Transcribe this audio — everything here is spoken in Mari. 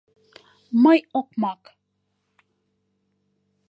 — Мый окмак!